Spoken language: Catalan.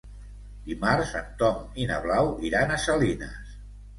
Dimarts en Tom i na Blau iran a Salines.